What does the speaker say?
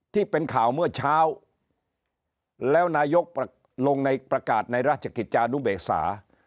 ที่เป็นข่าวเมื่อเช้าแล้วนายกลงในประกาศในราชกิจจานุเบกษา